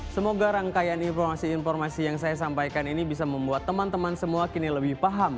semoga rangkaian informasi informasi yang saya sampaikan ini bisa membuat teman teman semua kini lebih paham